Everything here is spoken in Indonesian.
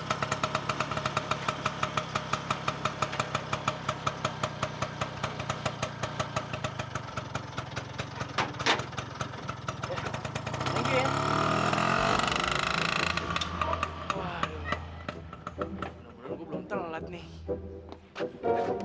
aduh gue belum tahu lah nih